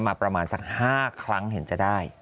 มาประมาณสัก๕ครั้งเห็นจะได้